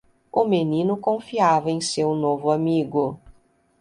O menino confiava em seu novo amigo.